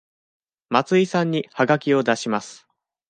松井さんにはがきを出します。